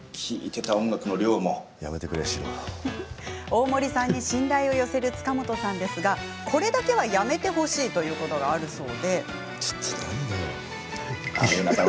大森さんに信頼を寄せる塚本さんですがこれだけはやめてほしいことがあるそうで。